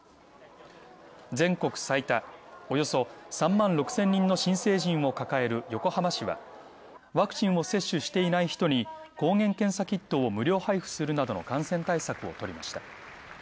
全国最多、およそ３万６０００人の新成人を抱える横浜市は、ワクチンを接種していない人に抗原検査キットを無料配布するなどの感染対策をとりました。